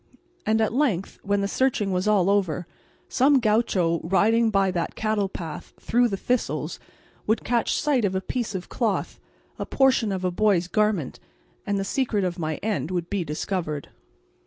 And at length when the searching was all over, some gaucho riding by that cattle path through the thistles would catch sight of a piece of cloth, a portion of a boy's garment, and the secret of my end would be discovered.